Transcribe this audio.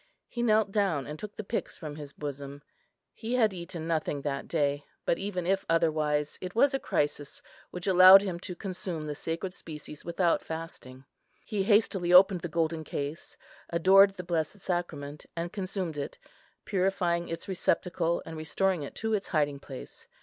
He knelt down and took the pyx from his bosom. He had eaten nothing that day; but even if otherwise, it was a crisis which allowed him to consume the sacred species without fasting. He hastily opened the golden case, adored the blessed sacrament, and consumed it, purifying its receptacle, and restoring it to its hiding place.